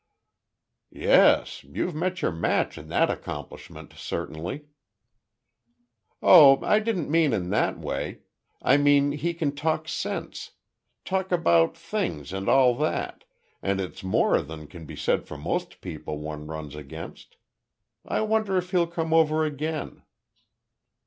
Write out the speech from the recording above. "Yes. You've met your match in that accomplishment, certainly." "Oh, I didn't mean in that way. I mean he can talk sense. Talk about things, and all that, and it's more than can be said for most people one runs against. I wonder if he'll come over again."